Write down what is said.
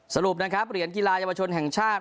สรุปนะคะเพราะเมืองเกียรติฬาทนทรรภ์แห่งชาติ